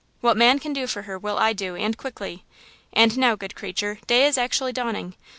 What man can do for her will I do and quickly! And now, good creature, day is actually dawning.